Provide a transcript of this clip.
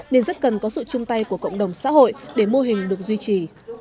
nên rất cần có sự chung tay của cộng đồng xã hội để mô hình được duy trì